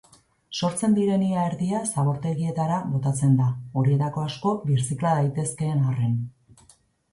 Sortzen diren ia erdia zabortegietara botatzen da, horietako asko birzikla daitezkeen arren.